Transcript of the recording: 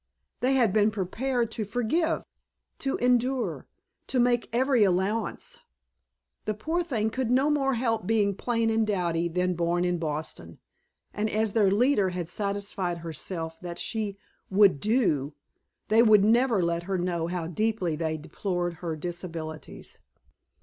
They had been prepared to forgive, to endure, to make every allowance. The poor thing could no more help being plain and dowdy than born in Boston, and as their leader had satisfied herself that she "would do," they would never let her know how deeply they deplored her disabilities.